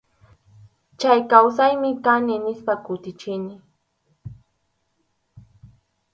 Chay kawsaymi kani, nispa kutichini.